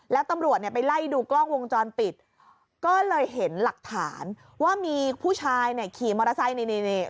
แล้วตำรวจไปไล่ดูกล้องวงจรปิดก็เลยเห็นหลักฐานว่ามีผู้ชายขี่มอเตอร์ไซต์ลูกศรสีเหลืองไปแล้ว